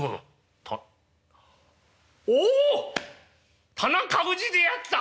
「たお田中氏であった。